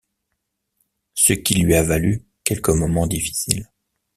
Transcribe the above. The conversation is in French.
Ce qui lui a valu quelques moments difficiles.